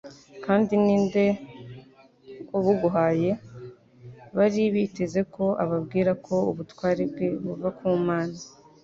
kandi ni nde wabuguhaye?" Bari biteze ko ababwira ko ubutware bwe buva ku Mana.